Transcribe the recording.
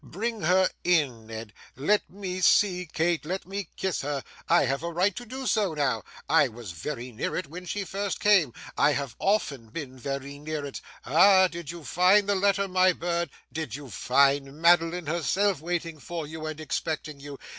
'Bring her in, Ned. Let me see Kate, let me kiss her. I have a right to do so now; I was very near it when she first came; I have often been very near it. Ah! Did you find the letter, my bird? Did you find Madeline herself, waiting for you and expecting you?